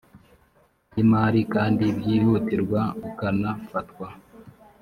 y imari kandi byihutirwa ukanafatwa